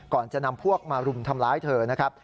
ก่อนจะนำพวกมารุมทำร้ายเธอนะครับ